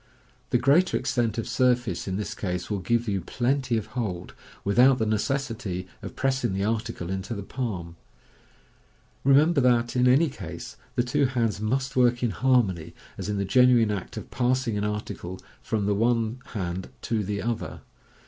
The greater extent of surface in this case will give you plenty of hold, without the necessity of pressing the article into the palm. Remem ber that, in any case, the two hands must work in harmony, as in the genuine act of passing an article from the one hand to the other.